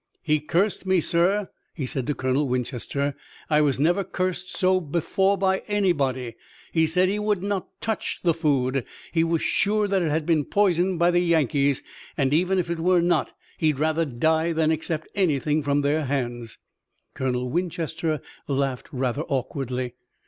"He cursed me, sir," he said to Colonel Winchester. "I was never cursed so before by anybody. He said he would not touch the food. He was sure that it had been poisoned by the Yankees, and even if it were not he'd rather die than accept anything from their hands." Colonel Winchester laughed rather awkwardly.